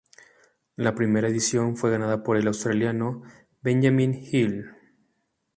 La primera edición fue ganada por el australiano Benjamin Hill.